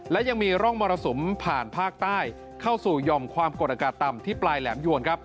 และยังมีร่องมรสุมผ่านภาคใต้เข้าสู่หย่อมความกดอากาศต่ำที่ปลายแหลมยวนครับ